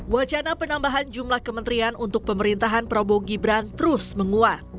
wacana penambahan jumlah kementerian untuk pemerintahan prabowo gibran terus menguat